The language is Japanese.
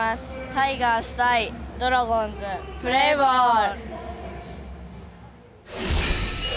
タイガース対ドラゴンズプレーボール！